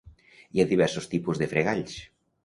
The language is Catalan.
Hi ha diversos tipus de fregalls.